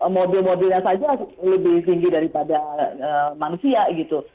mobil mobilnya saja lebih tinggi daripada manusia gitu